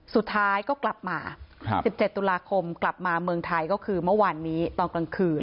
สุดท้ายก็กลับมา๑๗ตุลาคมกลับมาเมืองไทยก็คือเมื่อวานนี้ตอนกลางคืน